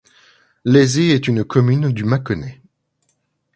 Laizé est une commune du Mâconnais.